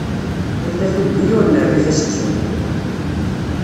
Anta tuggi ur nerri taseksut?